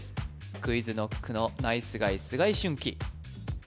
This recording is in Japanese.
ＱｕｉｚＫｎｏｃｋのナイスガイ須貝駿貴